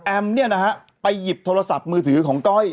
แอมเนี่ยนะฮะไปหยิบโทรศัพท์มือถือของก้อย